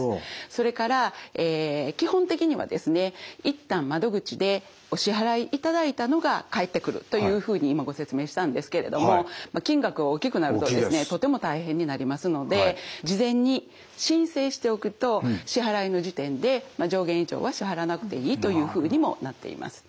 それから基本的にはですね一旦窓口でお支払いいただいたのが返ってくるというふうに今ご説明したんですけれども金額が大きくなるとですねとても大変になりますので事前に申請しておくと支払いの時点で上限以上は支払わなくていいというふうにもなっています。